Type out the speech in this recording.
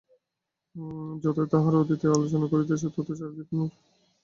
যতই তাহারা অতীতের আলোচনা করিতেছে, ততই চারিদিকে নূতন জীবনের লক্ষণ দেখা যাইতেছে।